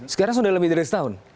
sekarang sudah lebih dari setahun